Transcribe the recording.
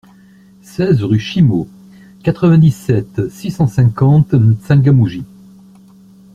seize rue Chimo, quatre-vingt-dix-sept, six cent cinquante, M'Tsangamouji